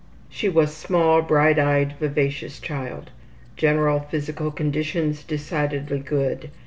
She was a small, bright eyed, vivacious child. General physical conditions decidedly good.